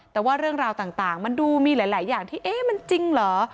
แต่ว่าเรื่องราวต่างมันดูมีหลายอย่างที่เอ๊ะมันจริงเหรอ